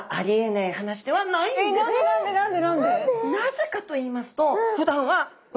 何で何で何で何で？